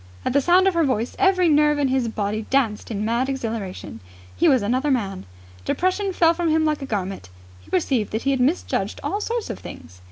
At the sound of her voice every nerve in his body danced in mad exhilaration. He was another man. Depression fell from him like a garment. He perceived that he had misjudged all sorts of things.